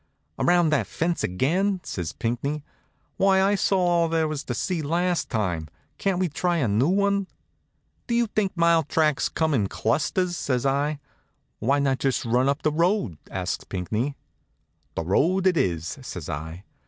Around that fence again?" says Pinckney. "Why, I saw all there was to see last time. Can't we try a new one?" "Do you think mile tracks come in clusters?" says I. "Why not just run up the road?" asks Pinckney. "The road it is," says I.